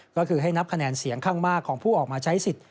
ก็คือให้นับคะแนนเสียงข้างมากของผู้ออกมาใช้สิทธิ์